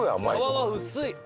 皮が薄い。